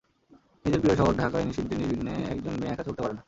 নিজের প্রিয় শহর ঢাকায় নিশ্চিন্তে-নির্বিঘ্নে একজন মেয়ে একা চলতে পারে না।